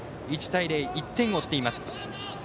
１対０、１点を追っています。